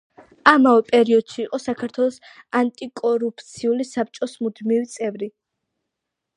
ამავე პერიოდში იყო საქართველოს ანტიკორუფციული საბჭოს მუდმივი წევრი.